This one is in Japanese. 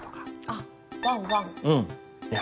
あっ。